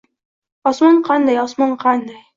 -Osmon qanday, osmon qanday…